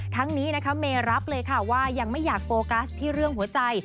ทั้งนี้นะคะเมรับเลยค่ะว่ายังไม่อยากโฟกัสที่เรื่องหัวใจ